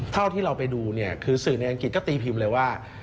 เท่าที่เราไปดูเนี่ยคือสื่อในอังกฤษก็ตีพิมพ์เลยว่า